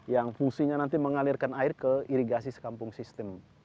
yang fungsinya nanti mengalirkan air ke irigasi sekampung sistem